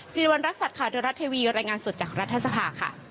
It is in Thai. สิริวัณรักษัตริย์ข่าวเทวรัฐทีวีรายงานสดจากรัฐสภาค่ะ